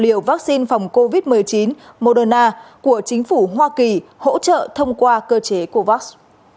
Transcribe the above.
điều vaccine phòng covid một mươi chín moderna của chính phủ hoa kỳ hỗ trợ thông qua cơ chế của vax